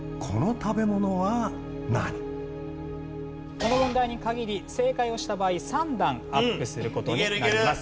この問題に限り正解をした場合３段アップする事になります。